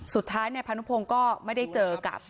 สุดท้ายนายพานุพงศ์ก็ไม่ได้เจอกับ